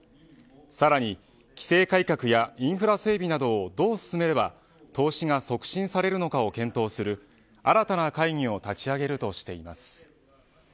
さらに規制改革やインフラ整備などをどう進めれば投資が促進されるのかを検討する新たな会議を立ち上げるとしています。